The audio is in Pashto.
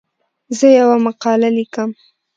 زه یوه مقاله لیکم.